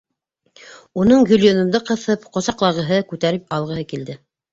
Уның Гөлйөҙөмдө ҡыҫып ҡосаҡлағыһы, күтәреп алғыһы килде.